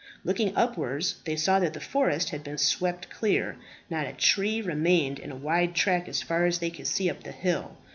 Looking upwards, they saw that the forest had been swept clear, not a tree remaining in a wide track as far as they could see up the hill.